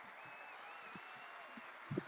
তরবারীগুলো তাদের বুকে প্রবিষ্ট করে দিলেন।